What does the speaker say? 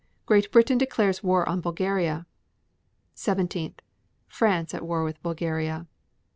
Great Britain declares war on Bulgaria. 17. France at war with Bulgaria.